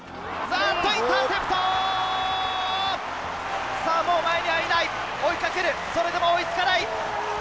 さあ、もう前にはいない、追いかける、それでも追いつかない。